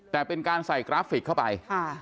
แต่เป็นการใส่กราฟิกเข้าไป